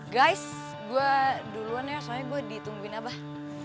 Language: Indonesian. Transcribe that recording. guys gue duluan ya soalnya gue ditungguin abah